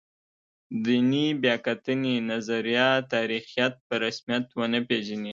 دیني بیا کتنې نظریه تاریخیت په رسمیت ونه پېژني.